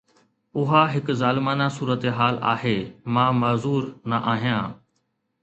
اها هڪ ظالمانه صورتحال آهي، مان معذور نه آهيان